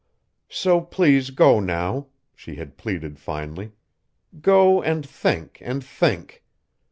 "So please go now," she had pleaded finally. "Go and think and think.